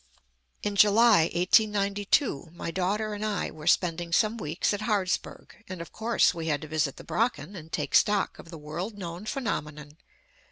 In July 1892, my daughter and I were spending some weeks at Harzburg, and, of course, we had to visit the Brocken and take stock of the world known phenomenon.